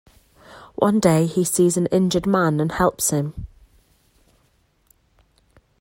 One day he sees an injured man and helps him.